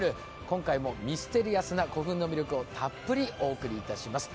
今回もミステリアスな古墳の魅力をたっぷりお送りいたします。